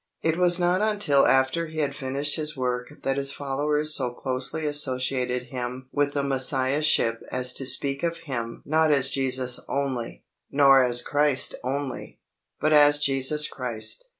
It was not until after He had finished His work that His followers so closely associated Him with the Messiahship as to speak of Him not as Jesus only, nor as Christ only, but as Jesus Christ.